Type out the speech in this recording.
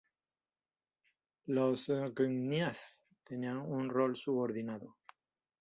Los "knyaz" tenían un rol subordinado.